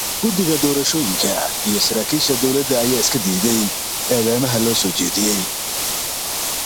Election and government officials have denied such charges.